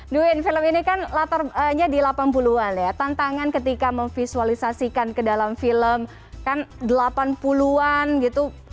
dwin film ini kan latarnya di delapan puluh an ya tantangan ketika memvisualisasikan ke dalam film kan delapan puluh an gitu